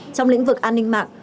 trong lĩnh vực an ninh mạng